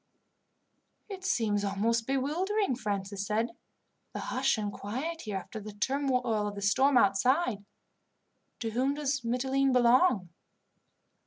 "It seems almost bewildering," Francis said, "the hush and quiet here after the turmoil of the storm outside. To whom does Mitylene belong?"